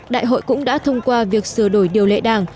đại hội cũng đã thông qua việc sửa đổi điều lệ đảng